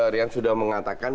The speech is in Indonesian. rian sudah mengatakan